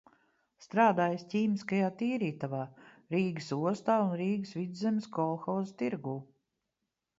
Strādājis ķīmiskajā tīrītavā, Rīgas ostā un Rīgas Vidzemes kolhoza tirgū.